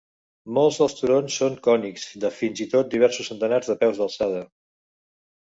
Molts dels turons són cònics de fins a diversos centenars de peus d'alçada.